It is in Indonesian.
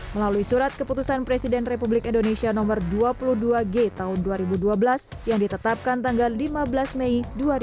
melalui surat keputusan presiden republik indonesia nomor dua puluh dua g tahun dua ribu dua belas yang ditetapkan tanggal lima belas mei dua ribu dua puluh